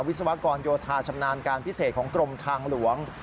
วิศวกรโยธาชำนาญการพิเศษของกรมทางหลวง